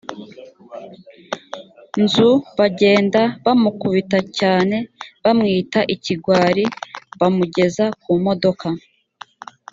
nzu bagenda bamukubita cyane bamwita ikigwari bamugeza ku modoka